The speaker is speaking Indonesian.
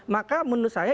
maka menurut saya